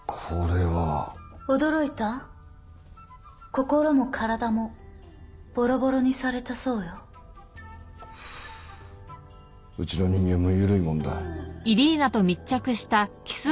心も体もボロボロにされたそうようちの人間もユルいもんだえ？